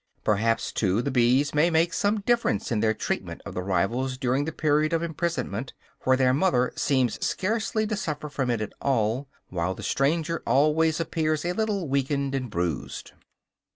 Perhaps too the bees may make some difference in their treatment of the rivals during the period of imprisonment, for their mother seems scarcely to suffer from it at all, while the stranger always appears a little weakened and bruised.